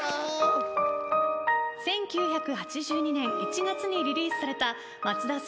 １９８２年１月にリリースされた松田聖子さん